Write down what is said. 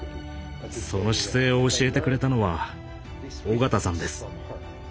その姿勢を教えてくれたのは緒方さんです。